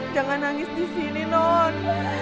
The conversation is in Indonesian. jangan nangis disini non